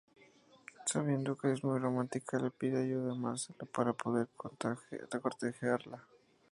Sabiendo que es muy romántica, le pide ayuda a Marcelo para poder cortejarla.